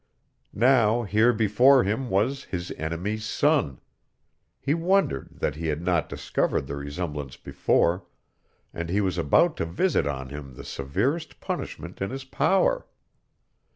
Now here before him was his enemy's son he wondered that he had not discovered the resemblance before and he was about to visit on him the severest punishment in his power.